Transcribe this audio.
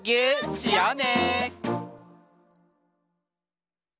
しようね！